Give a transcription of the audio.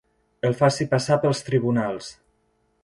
El faci passar pels tribunals.